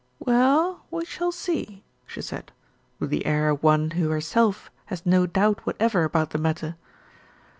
"Well, we shall see," she said, with the air of one who herself has no doubt whatever about the matter.